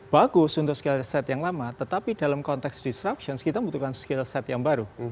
bagus untuk skill set yang lama tetapi dalam konteks disruption kita membutuhkan skill set yang baru